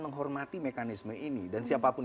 menghormati mekanisme ini dan siapapun